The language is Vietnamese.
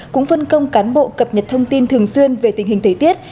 cũng phân công cán bộ cập nhật thông tin thường xuyên về tình hình thế tiết